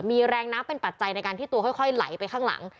มีแรงน้ำเป็นปัจจัยในการที่ตัวค่อยไหลไปข้างหลัง